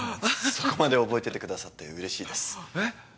そこまで覚えててくださって嬉しいですえっ？